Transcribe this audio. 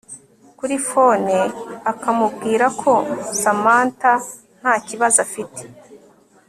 kuri phone akamubwira ko Samantha ntakibazo afite